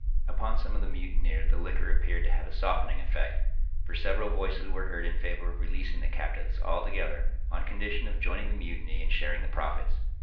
Upon some of the mutineers the liquor appeared to have a softening effect, for several voices were heard in favor of releasing the captives altogether, on condition of joining the mutiny and sharing the profits.